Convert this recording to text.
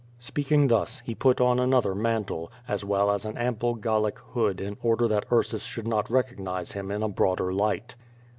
Speaking thus, he put on another mantle, as well as an ample Gallic hood in order that Ursus should not recognize him in a broader light.